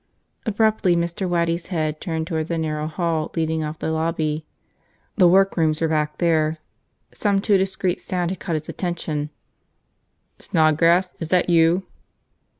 ... Abruptly Mr. Waddy's head turned toward the narrow hall leading off the lobby. The workrooms were back there. Some too discreet sound had caught his attention. "Snodgrass? Is that you?"